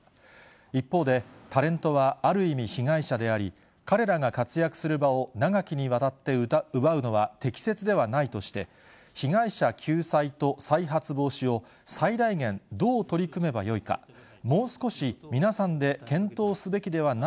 一方で、タレントはある意味、被害者であり、彼らが活躍する場を長きにわたって奪うのは適切ではないとして、被害者救済と再発防止を最大限どう取り組めばよいか、ます。